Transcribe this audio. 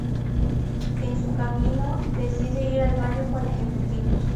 En su camino, decide ir al baño para ejecutivos.